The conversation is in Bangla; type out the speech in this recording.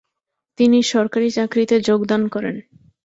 তিনি সরকারি চাকরিতে যোগদান করেন।